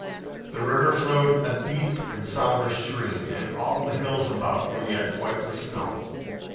The river flowed a deep and somber stream, and all the hills about were yet white with snow.